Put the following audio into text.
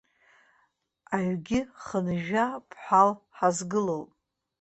Аҩгьы хынҩажәа ԥҳал ҳазгылоуп.